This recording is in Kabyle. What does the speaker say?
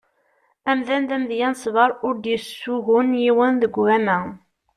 Amdan d amedya n ṣsber ur d-yessugun yiwen deg ugama.